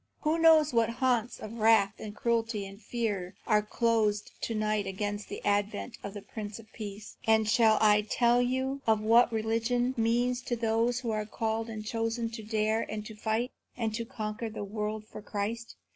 who knows what haunts of wrath and cruelty and fear are closed to night against the advent of the Prince of Peace? And shall I tell you what religion means to those who are called and chosen to dare and to fight, and to conquer the world for Christ?